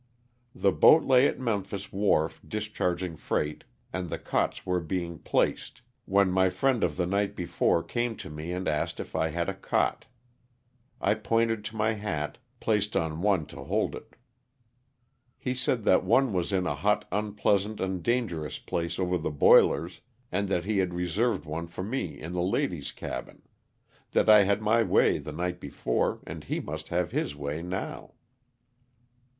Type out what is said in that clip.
The boat lay at the Memphis wharf discharging freight, and the cots were being placed, when my 116 LOSS OF THE SULTANA. friend of the night before came to me and asked if I had a cot. I pointed to my hat, placed on one to hold it. He said that one was in a hot, unpleasant and dangerous place over the boilers, and that he had reserved one for me in the ladies* cabin ; that I had my way the night before, and he must have his way now.